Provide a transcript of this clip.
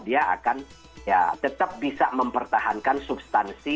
dia akan tetap bisa mempertahankan substansi